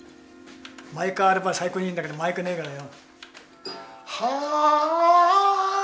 マイクあれば最高にいいんだけどマイクねえからよ。